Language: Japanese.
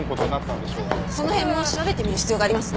その辺も調べてみる必要がありますね。